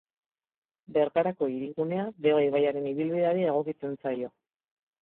Bergarako hirigunea Deba ibaiaren ibilbideari egokitzen zaio.